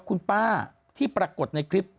คุณป้าที่ปรากฏในคลิป